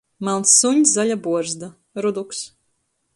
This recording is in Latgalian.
Malns suņs, zaļa buorzda. Ruduks.